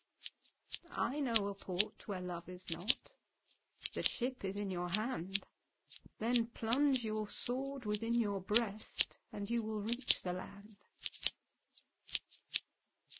"I know a port where Love is not, The ship is in your hand, Then plunge your sword within your breast And you will reach the land."